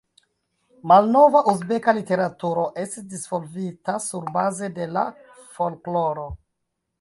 Malnova uzbeka literaturo estis disvolvita surbaze de la folkloro.